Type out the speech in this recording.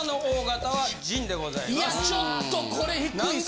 いやちょっとこれ低いっすね。